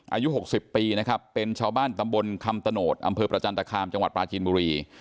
อายุ๖๐ปีนะครับเป็นชาวบ้านตำบลคำตโนธอำเภอประจันตคามจังหวัดปลาจีนบุรี